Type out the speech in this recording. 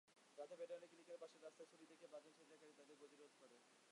রাতে ভেটেরিনারি ক্লিনিকের পাশের রাস্তায় ছুরি দেখিয়ে পাঁচজন ছিনতাইকারী তাঁদের গতিরোধ করে।